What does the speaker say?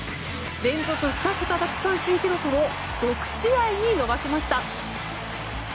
連続２桁奪三振記録を６試合に伸ばしました。